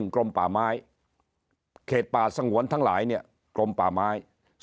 กรมป่าไม้เขตป่าสงวนทั้งหลายเนี่ยกรมป่าไม้